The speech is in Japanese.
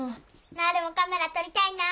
なるもカメラ撮りたいな。